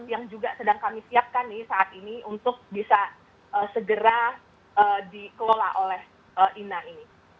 yang juga sedang kami siapkan nih saat ini untuk bisa segera dikelola oleh ina ini